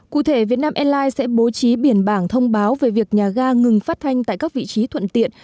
cụ thể việt nam airlines sẽ bố trí biển bảng thông báo về việc nhà ga ngừng phát thanh tại các vị trí thuận tiện